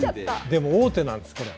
でも王手なんですこれ。